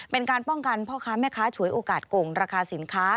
เป็นการป้องกันพ่อค้าแม่ค้าฉวยโอกาสโก่งราคาสินค้า